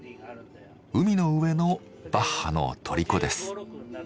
海の上のバッハの虜です。